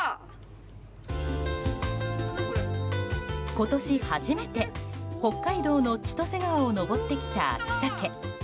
今年初めて北海道の千歳川を上ってきた秋サケ。